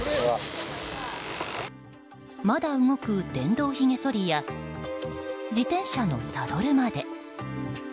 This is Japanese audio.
まだ動く電動ひげそりや自転車のサドルまで。